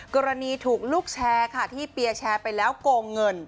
กรณีถูกลูกแชร์ค่ะที่เปียร์แชร์ไปแล้วโกงเงิน